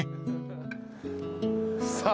さあ